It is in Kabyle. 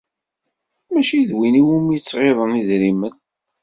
Mačči d win iwumi ttɣiḍen idrimen.